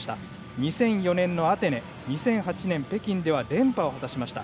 ２００４年のアテネ２００８年の北京では連覇を果たしました。